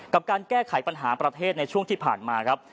กับการแก้ไขปัญหาประเทศในช่วงที่ผ่านมาครับ